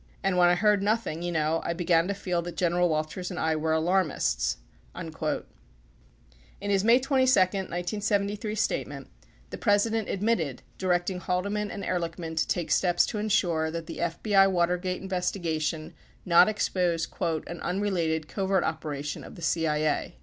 And when I heard nothing, you know, I began to feel that General Walters and I were alarmists ... 50 In his May 22, 1973 statement, the President admitted directing Haldeman and Ehrlichman to take steps to ensure that the FBI Watergate investigation not expose "an unrelated covert operation' of the CIA."